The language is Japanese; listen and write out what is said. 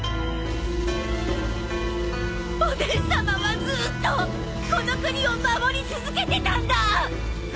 おでんさまはずっとこの国を守り続けてたんだ！